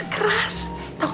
tuh itu emang lo